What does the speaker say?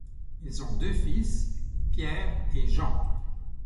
Ils ont deux fils, Pierre et Jean.